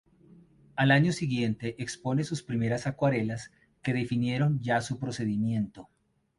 Al año siguiente expone sus primeras acuarelas que definieron ya su procedimiento.